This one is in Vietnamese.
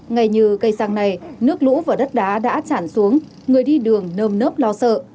ngay như cây xăng này nước lũ và đất đá đã chản xuống người đi đường nơm nớp lo sợ